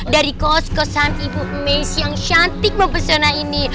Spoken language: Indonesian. dari kos kosan ibu emis yang cantik mempesona ini